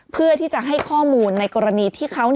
เพื่อที่จะให้ข้อมูลในกรณีที่เขา